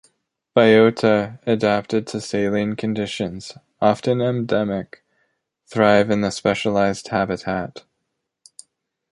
Biota adapted to saline conditions, often endemic, thrive in the specialized habitat.